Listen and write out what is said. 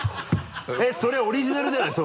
えっそれオリジナルじゃない？